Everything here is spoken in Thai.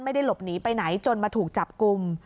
ไม่ได้หลบหนีไปไหนจนมาถูกจับกลุ่ม